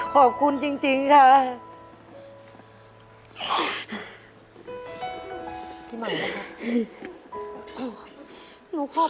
ขอบคุณจริงค่ะ